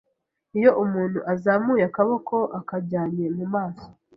iyo umuntu azamuye akaboko akajyanye mu maso